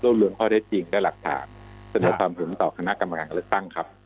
รวมรวมข้อแท้จริงและหลักฐานสำหรับความเห็นต่อคณะกรรมการเลือกตั้งครับ